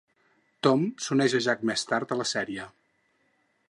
Tom s'uneix a Jack més tard a la sèrie.